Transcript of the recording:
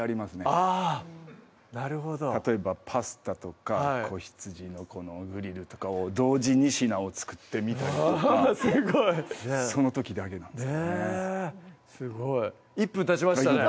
あぁなるほど例えばパスタとか子羊のこのグリルとかを同時２品を作ってみたりとかすごい！その時だけなんですけどねすごい１分たちましたね